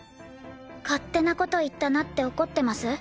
勝手な事言ったなって怒ってます？